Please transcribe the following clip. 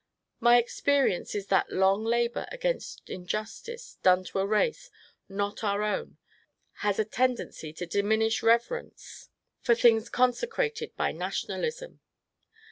My experience is that long labour against injustice done to a race not our own has a tendency to diminish reverence for things consecrated by nationalism.